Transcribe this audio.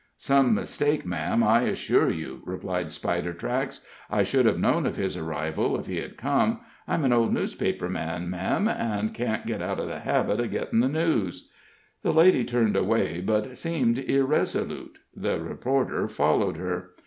"Some mistake, ma'am, I assure you," replied Spidertracks. "I should have known of his arrival if he had come. I'm an old newspaper man, ma'am, and can't get out of the habit of getting the news." The lady turned away, but seemed irresolute. The reporter followed her.